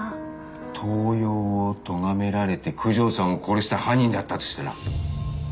盗用をとがめられて九条さんを殺した犯人だったとしたら？